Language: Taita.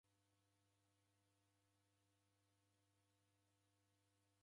Wabonya kazi ofisi ya chifu.